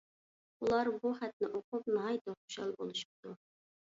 ئۇلار بۇ خەتنى ئوقۇپ ناھايىتى خۇشال بولۇشۇپتۇ.